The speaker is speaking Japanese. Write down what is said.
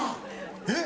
えっ！